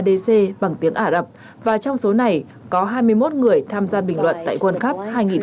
đã có sáu mươi bốn bình luận viên adc bằng tiếng ả rập và trong số này có hai mươi một người tham gia bình luận tại world cup hai nghìn hai mươi hai